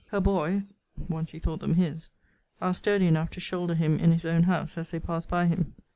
Her boys (once he thought them his) are sturdy enough to shoulder him in his own house as they pass by him.